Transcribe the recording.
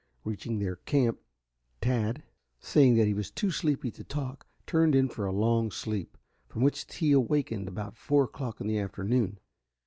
Reaching their camp, Tad, saying that he was too sleepy to talk, turned in for a long sleep, from which he awakened about four o'clock in the afternoon.